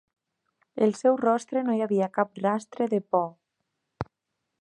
El seu rostre no hi havia cap rastre de por.